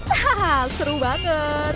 hahaha seru banget